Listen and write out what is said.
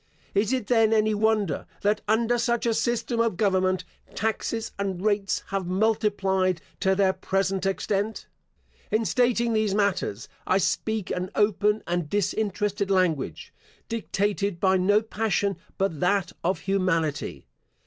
Is it, then, any wonder, that under such a system of government, taxes and rates have multiplied to their present extent? In stating these matters, I speak an open and disinterested language, dictated by no passion but that of humanity.